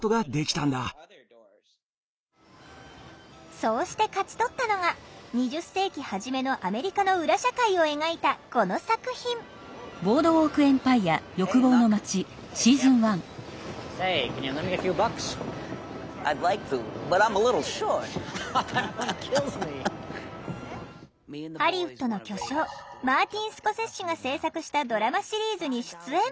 そうして勝ち取ったのが２０世紀初めのアメリカの裏社会を描いたこの作品ハリウッドの巨匠マーティン・スコセッシが制作したドラマシリーズに出演。